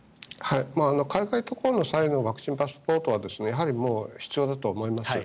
海外渡航の際のワクチンパスポートはやはり必要だと思います。